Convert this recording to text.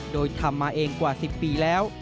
โดยทำมาเองกว่า๑๐ปีแล้ว